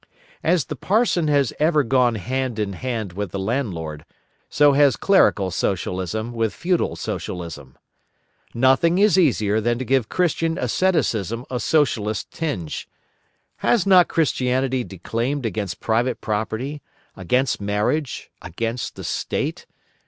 As the parson has ever gone hand in hand with the landlord, so has Clerical Socialism with Feudal Socialism. Nothing is easier than to give Christian asceticism a Socialist tinge. Has not Christianity declaimed against private property, against marriage, against the State?